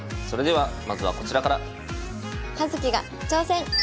それではまずはこちらから。